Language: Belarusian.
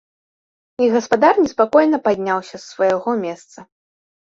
І гаспадар неспакойна падняўся з свайго месца.